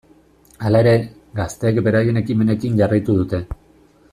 Hala ere, gazteek beraien ekimenekin jarraitu dute.